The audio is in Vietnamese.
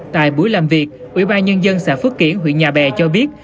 tại buổi làm việc ủy ban nhân dân xã phước kiển huyện nhà bè cho biết